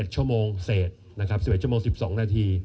๑๑ชมเศษนะครับ๑๑ชม๑๒น